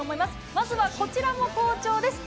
まずはこちらも好調です。